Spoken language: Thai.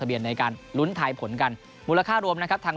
เบียนในการลุ้นทายผลกันมูลค่ารวมนะครับทาง